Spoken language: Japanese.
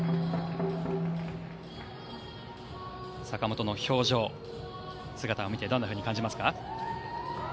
坂本の表情、姿を見てどんなふうに感じますか？